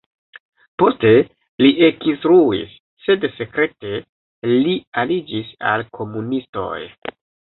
Poste li ekinstruis, sed sekrete li aliĝis al komunistoj.